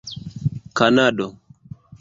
kanado